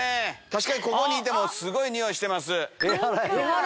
確かにここにいてもすごいニオイしてます。